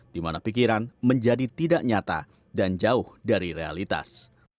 di mana pikiran menjadi tidak nyata dan jauh dari realitas